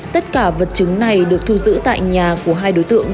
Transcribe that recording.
tất cả vật chứng này được thu giữ tại nhà của hai đối tượng